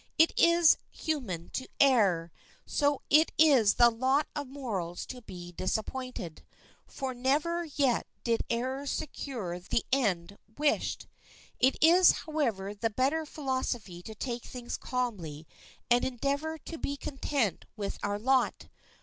It is human to err; so it is the lot of mortals to be disappointed, for never yet did error secure the end wished. It is, however, the better philosophy to take things calmly and endeavor to be content with our lot.